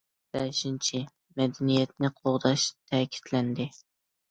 بەشىنچى، مەدەنىيەتنى قوغداش تەكىتلەندى.